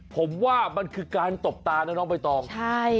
ผมว่ามันคือการตบตานะน้องใบตองใช่